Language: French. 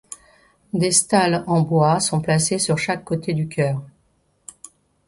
Des stalles en bois sont placées sur chaque côté du chœur.